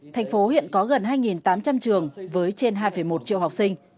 thành phố hiện có gần hai tám trăm linh trường với trên hai một triệu học sinh